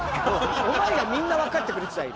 お前以外みんなわかってくれてたよ